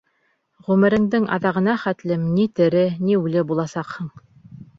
Ғүмереңдең аҙағына хәтлем ни тере, ни үле буласаҡһың!